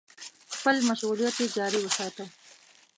خپل مشغولیت يې جاري وساته.